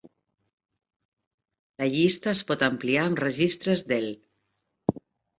"La llista es pot ampliar amb registres del "